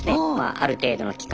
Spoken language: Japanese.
ある程度の期間